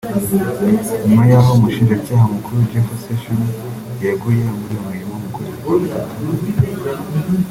nyuma yaho umushinjacyaha mukuru Jeff Sessions yeguye kuri iyo mirimo mu kwezi kwa gatatu